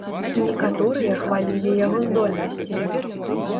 Некаторыя хвалілі яго здольнасці.